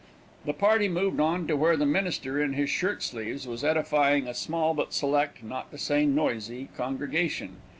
The party moved on to where the minister in his shirt sleeves was edifying a small, but select, not to say noisy, congregation.